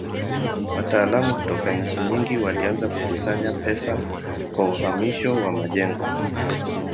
Wataalamu kutoka nchi nyingi walianza kukusanya pesa kwa uhamisho wa majengo.